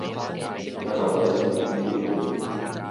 也就可想而知了，